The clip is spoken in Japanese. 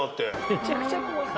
めちゃくちゃ怖かった。